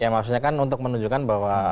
maksudnya kan untuk menunjukkan bahwa